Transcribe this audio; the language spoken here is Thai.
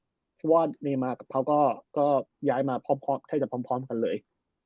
เพราะว่าเนมากับเขาก็ย้ายมาพร้อมแทบจะพร้อมกันเลย